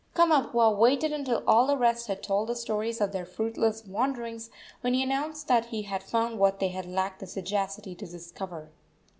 Kamapuaa waited until all the rest had told the stories of their fruitless wanderings, when he announced that he had found what they had lacked the sagacity to discover.